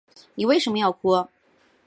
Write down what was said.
妳为什么要哭